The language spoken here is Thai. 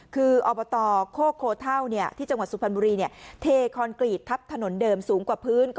คืออบตโคกโคเท่าที่จังหวัดสุพรรณบุรีเทคอนกรีตทับถนนเดิมสูงกว่าพื้น